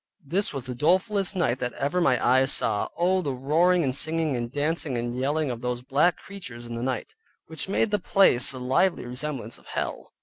This was the dolefulest night that ever my eyes saw. Oh the roaring, and singing and dancing, and yelling of those black creatures in the night, which made the place a lively resemblance of hell.